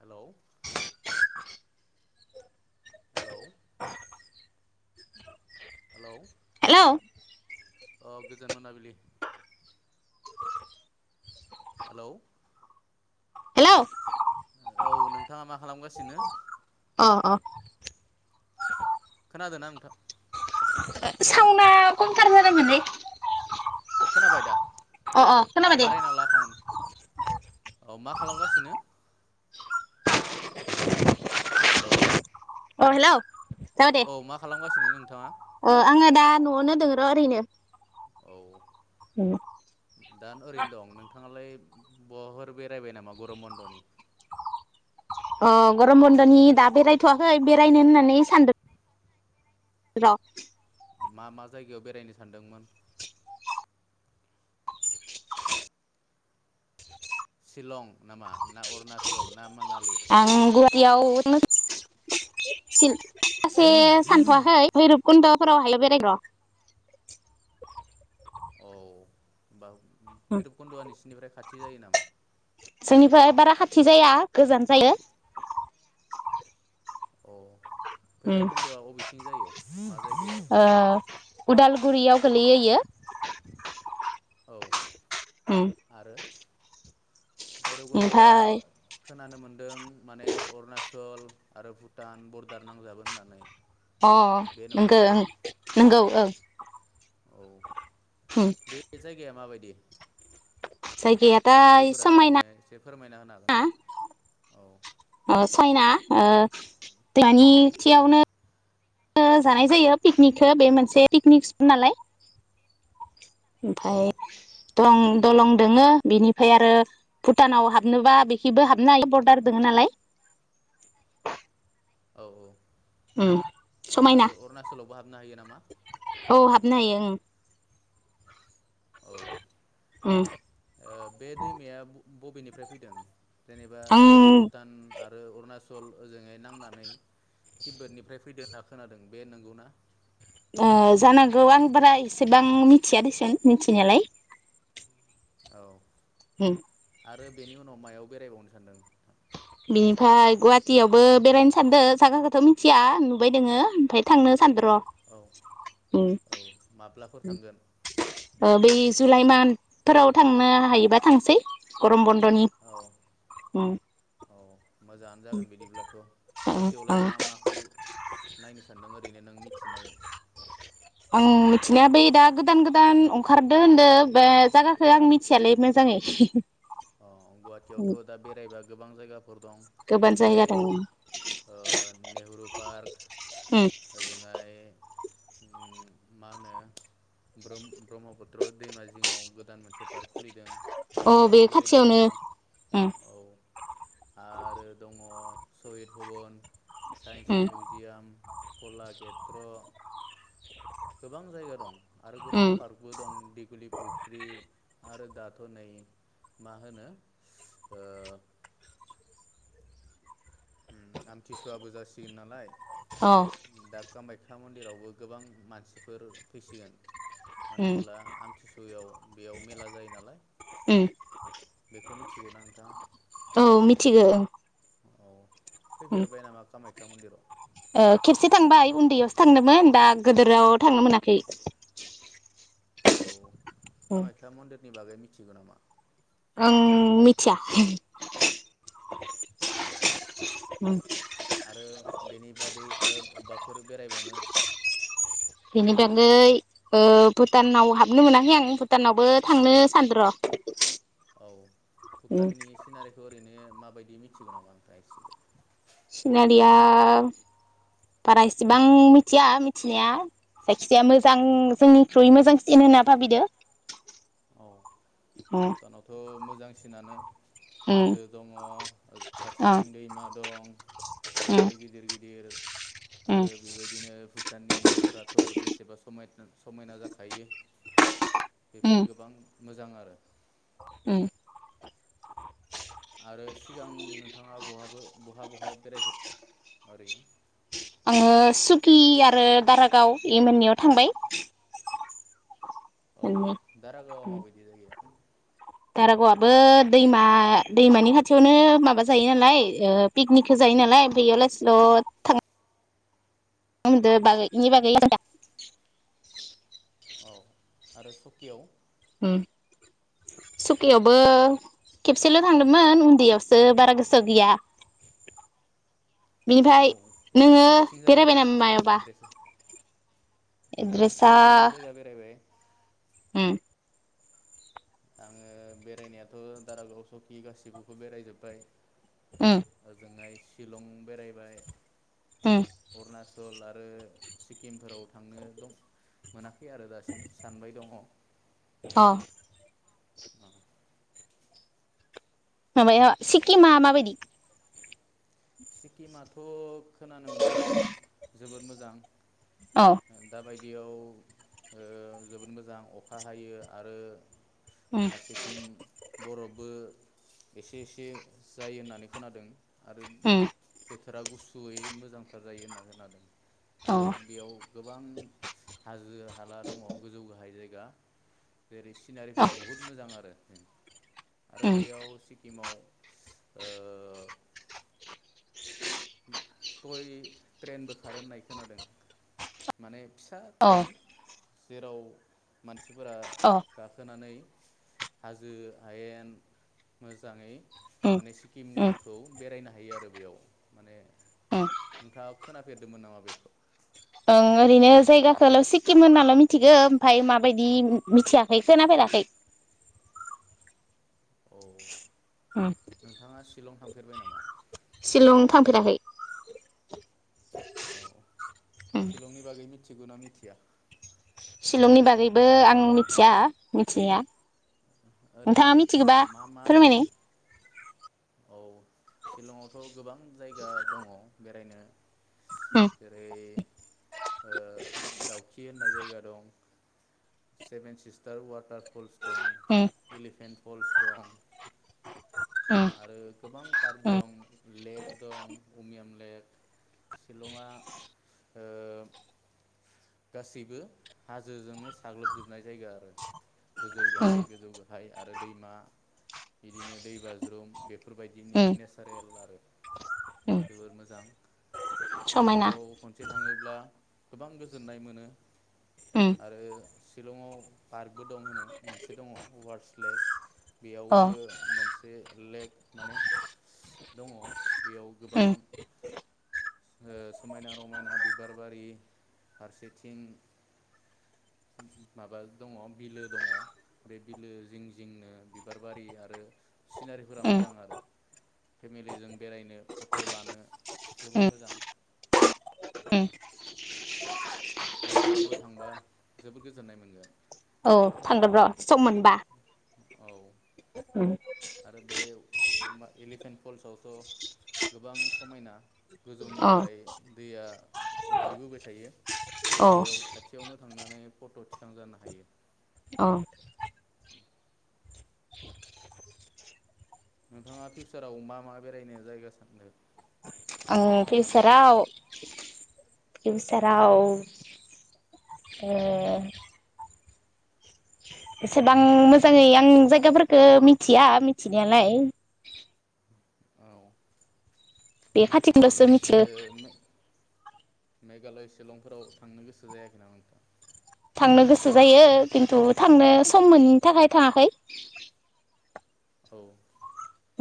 हेल' [unintelligible] [unintelligible] हेल' औ गोजोन मोनाबिलि हेल' हेल' औ नोंथाङा मा खालामगासिनो? अ अ खोनादोना नोंथां हेल' खमथारबार माने खोनाबाय दा खोनाबाय दे बाराय ना ला खाव औ मा खालामगासिनो? हेलौ अ हेल' जाबाय दे दिनै नोंथाङा ओ आङो दा न'आवनो दङ र' ओरैनो औ ओम दा ओरैनो दं नोंथाङालाय बहाफोर बेरायबाय नामा गरम बन्द'नि? अ गरम बन्दनि दा बेरायथ'वाखै बेरायनो होननानै सानदों र' मा मा जायगायाव बेरायनो सानदोंमोन? सिलं नामा ना अरुणचल ना मा ना? आङो गुवा टियावनो [unintelligible] सासे सानथ'वाखै भैरब खुन्द'फोरावहायल बेरायग' र' औ बा भैरबखुन्द'आ नोंसिनिफ्राय खाथि जायो नामा? जोंनिफ्राय बारा खाथि जाया गोजान जायो औ उम भैराबकुन्द'आ अबेथिं जायो? [unintelligible] ओ उदालगुरियाव गोलैयोयो औ उम आरो भैरबकुन्द'आ ओमफाय खोनानो मोन्दों माने अरुणा सल आरो भुटान बरडार नांजाबो होननानै अ बे नंगौ नंगौना ओं नंगौ औ औ बे जायगाया माबायदि? जायगाया दा सिनारिफोरा समायना ओरैनो एसे फोरमायना होनो हागोन ना? औ चाइना ओ दानिथियावनो जानाय जायो पिकनिकखौ बे मोनसे पिकनिक [unintelligible] नालाय औ ओमफाय दलं दलं दोङो बिनिफ्राय आरो भुटानाव हाबनोबा बेखिबो हाबनो हायो बरदार दोङो नालाय औ उम समायना आरो अरुणाचलावबो हाबनो हायो नामा? नो हायो ओं औ उम ओ बे दैमाया बबेनिफ्राय फैदों जेनेबा ओरै आं भुटान आरो अरुणाचल ओजोंहै नांनानै तिब्बतनिफ्राय फैदो होनना खोनादों बे नंगौना? ओ जानांगौ आं बारा एसेबां मिथिया दिसुन मिथिनायालाय औ होम आरो बेनि उनाव मायाव बेरायबावनो सानदों? बिनिफ्राय गुवाहाटियावबो बेरायनो सानदों जागाखौथ' मिथिया नुबाय दोङो ओमफाय थांनो औ सानदो र' औ औ माब्लाफोर थांगोन ओ बै जुलाइ मान्थफोराव थांनो हायोबा थांसै गरम बन्द दनि औ उम औ मोजाङानो जागोन बिदिब्लाथ' उम गुवाटियावलाय उम मा माखौ नायनो सानदों? ओरैनो नों मिथिनाय आं मिथिनाया बै दा गोदान गोदान ओंखारदो होनदो बा जागाखौ आं मिथियालायै मोजाङै अ गुवाहाटियावथ' दा बेरायबा गोबां जायगाफोर फोर दं गोबां जेरै जायगा दङ ओ नेहरु पार्क उम ओजोंहाय मा होनो ब्रह्मपुत्र दैमा जिङाव गोदान मोनसे पारक खुलिदों अ बेयावबो बे फैनो खाथियावनो हागोन उम औ आरो दं सहिद भबन। साइन्स उम मिउजियाम। कला केत्र गोबां जायगा दं। आरो गोबां उम पार्कबो दं दिगलि फुख्रि आरो दाथ' नै मा होनो ओ आमथिसुवाबो जासिगोन नालाय। अ दा कामाय मन्दिरावबो गोबां मानसिफोर फैसिगोन। मानो उम होनब्ला आमथिसुवायाव बेयाव मेला जायो नालाय। उम बेखौ मिथिगौ ना नोंथाङा? औ मिथिगौ ओं औ उम फैफेरबाय नामा कामाय खा मन्दिराव? ओ खेबसे थांबाय उन्दैयावसो थांदोंमोन दा गोदोराव थांनो मोनाखै। औ उम कामाख्या मन्दिर। नि बागै मिथिगौ नामा? ओं मिथिया। औ आरो बेनि बादै आरो अबेबाफोर बेरायबावनो बेनि बागै ओ भुटानाव हाबनो मोनाखै आं भुटानावबो थांनो सानदों र'। औ भुटाननि सिनारिखौ ओरैनो माबायदि मिथिगौ नामा? सिनारिया बारा इसिबां मिथिया मिथिनाया जायखिजाया मोजां जोंनिख्रुइ मोजांसिन होनना भाबिदों। औ भुटानावथ' मोजां मोजांसिनानो। उम हाजो दङ अ फारसेथिं दैमा दं उम अन्थाइ गिदिर गिदिर। उम आरो बेबायदिनो भुटाननि न'फोराथ' बेसे सेबा समाय समायना जाखायो। फोर उम गोबां मोजां आरो। उम आरो सिगां नोंथाङा बहाबो बहा बहा बेरायफेरखो? ओरैनो खि आरो दारागाव इ मोननैयाव थांबाय औ मोननै दारागावआ माबायदि जायगाया? दारागावबो दैमा दैमानि खाथियावनो माबा जायो नालाय पिकनिकखौ जायो नालाय [unintelligible] औ आरो सकियाव? सुकियावबो खेबसेल' थांदोंमोन उन्दैयावसो बारा गोसोआव गैया औ बिनिफ्राय नोङो माथिं जायो होनना बेरायबाय नामा मिथिगौ मायावबा? एड्रेस आंथ' एड्रेसा गोबां जायगा बेरायबाय। उम आङो बेरायनायाथ' दारागाव सकि गासिखौबो बेरायजोब्बाय उम ओजोंहाय शिलं बेरायबाय उम अरुणाच‌ बेंगल आरो सिक्किमफोराव थांनो दं मोनाखै आरो दासिम सानबाय दङ' अ [inaudible] माबाया सिक्किमा माबायदि? सिक्किमआथ'‌ खोनानो मोन्दों जोबोद मोजां अ दाबाय बियाव ओ जोबोद मोजां अखा हायो आरो उम फारसेथिं बरफबो एसे एसे जायो होननानै खोनादों। आरो उम बोथोरा गुसुयै मोजांथार जायो होनना खोनादों अ आरो बेयाव गोबां हाजो हाला दङ गोजौ गाहाय जायग गा जेरै अ सिनारिफोरा बुहुत मोजां आरो। आरो उम बेयाव सिक्किमाव ओ [unintelligible] थय ट्रेनबो खारो होननाय खोनादों। माने फिसा अ ट्रेन जेराव मानसि सिफोरा अ गाखोनानै हाजो हेयेन मोजाङै उम उम माने सिक्किमखौ बेरायनो हायो हायो आरो बेयाव माने उम नोंथांआ खोनाफेरदोंमोन नामा बेखौ ओं ओरैनो जायगाखौल' सिक्किम होननाल' मिथिगौ ओमफ्राय माबायदि मिथियाखै खोनाफेराखै औ उम नोंथाङा शिलं थांफेरबाय नामा शिलं थांफेराखै औ उम सिलंनि बागै मिथि मिथिगौना मिथिया शिलंनि बागैबो आं मिथिया मिथिया ओरैनो नोंथाङा मिथिगोबा मा मा फोरमायनाय औ सिलंआवथ' गोबां जायगा दङ बेरायनो उम जेरै ओ दाउखि होननाय जायगा दं सेभेन सिस्टार वाटार पुल्स दं उम एलिफेन फल्स दं। उम आरो गोबां पार्क उम दं। लेक दं उमियाम लेक शिलंआ ओ गासैबो हाजोजोंनो साग्लोबजोबनाय जायो आरो गोजौ गाहाय गोजौ ओमफ्राय आरो दैमा बिदिनो दै बाज्रुम बे बेफोरबायदिनि उम नेचारेल आरो। उम उम जोबोर मोजां। समायना बेफोराव खनसे थाङोब्ला गोबां गो गोजोननाय मोनो। उम आरो शिलंआव पार्कबो दं होनो मोनसे दङ वार्स लेक। अ बेयावबो मोनसे बे लेक माने दङ। बेयाव गोबां उम ओ समायना रमायना बिबार बारि फारसेथिं माबा दङ' बिलो दङ' बे बिलो जिं जिंनो बिबार बारि आरो सिनारिफोरा उम मोजां आरो फेमिलिजों बेरायनो फट लानो जोबोद उम मोजां। उम नोंथांङाबो थांबा जोबोद गोजोननाय मोनगोन। औ थांगोन र' सम मोनबा। औ। उम आरो बे एलिफेन्ट फल्सआवथ' गोबां समायना अ गोजौनिफ्राय दैया गोलैबोबाय थायो। अ बेयाव खाथियावनो थांना ओमफ्राय फट' थिखां जानो हायो। अ। नोंथाङा फिउसाराव मा मा बेरायनो जायगा सानदों? आं मा मा जायगायाव फिउसाराव फिउसाराव ओ एसेबां मोजाङै आं जायगाफोरखौ मिथिया मिथिनायालाय। औ। बे खाथि ओरैनो होनबासो मिथियो। ओ मेघालय शिलंफोराव थांनो गोसो जायाखै नामा नोंथांङा? थांनो गोसो जायो खिन्थु थांनो सम मोनैनि थाखाय थांङाखै। औ।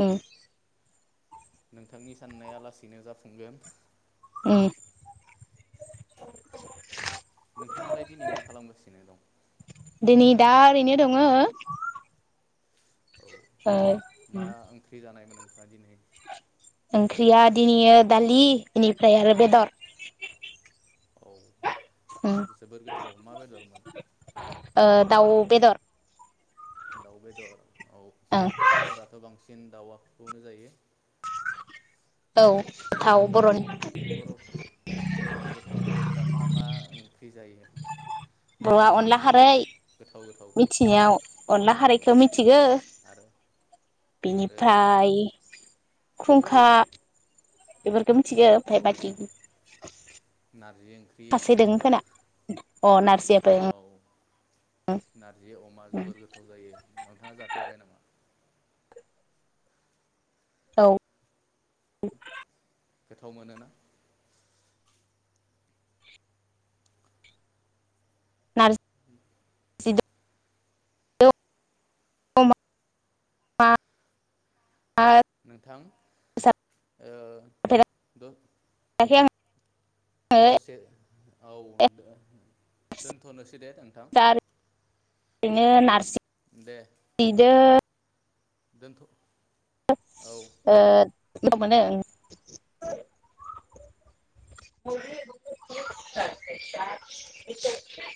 उम। नोंथांनि साननाया लासैनो जाफुंगोन। उम। नोंथांङालाय दिनै मा खालामगासिनो दं? दिनै दा ओरैनो दंङो। औ उम मा ओंख्रि जानायमोन? नोंथाङा दिनै ओंख्रिया दिनैयो दालि इनिफ्राय आरो बेदर। औ उम जोबोर गोथाव मा बेदरमोन? ओ दाउ बेदर। दाव बेदर ओ। चिकेन दावांखौनो जायो। औ दाव बर'नि बर' बर'नि गोथाव बर'फोरा मा मा ओंख्रि जायो? बर'आ ओरैनो अनला खारै गोथाव गोथावखौ मिथिनायाव अनला औ खारैखौ मिथिगो आरो आरो बेनिफ्राय खुंखा बेफोर खो‌ मिथिगो ओमफाय औ बाकि नारजि ओंख्रि खाससे नङा दोंङो होमबा खोना अ नारजियाबो उम। औ नारजि अमा जोबोर गोथाव जायो नोंथांङा जाफेरबाय नामा? औ। गोथाव मोनोना नार [unintelligible] अमा [unintelligible] नोंथां ओ जाफेराखै द आङो दसे औ दो दोनथ'नोसै दे नोंथां। बिनो नारजि दे जिदो दोनथ'। औ [unintelligible] मोजां मोनो थेंक उम। [unintelligible]